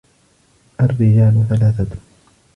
الرِّجَالُ ثَلَاثَةٌ